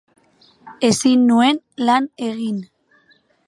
Ezin nuen lan egin.